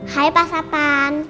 hai pak sapan